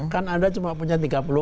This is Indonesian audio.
kan anda cuma punya tiga puluh